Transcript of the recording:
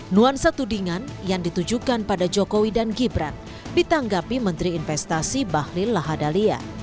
nuansa tudingan yang ditujukan pada jokowi dan gibran ditanggapi menteri investasi bahlil lahadalia